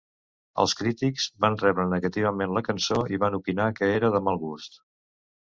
Els crítics van rebre negativament la cançó i van opinar que era de mal gust.